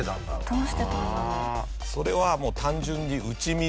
それはもう単純に打ち水。